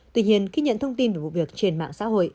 tuy nhiên khi nhận thông tin về vụ việc trên mạng xã hội